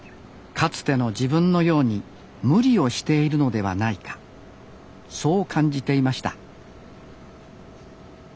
かつての自分のように無理をしているのではないかそう感じていました